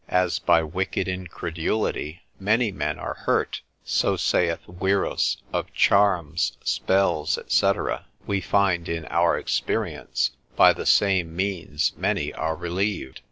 As by wicked incredulity many men are hurt (so saith Wierus of charms, spells, &c.), we find in our experience, by the same means many are relieved.